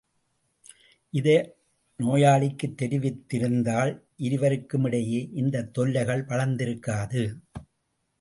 இதை நோயாளிக்குத் தெரிவித்திருந்தால், இருவருக்குமிடையே— இந்தத் தொல்லைகள் வளர்ந்திருக்காது.